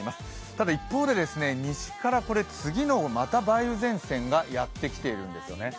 ただ一方で、西から次のまた梅雨前線がやってきているんですよね。